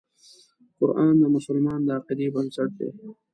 قرآن د مسلمان د عقیدې بنسټ دی.